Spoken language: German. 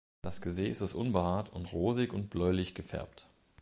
Das Gesäß ist unbehaart und rosig und bläulich gefärbt.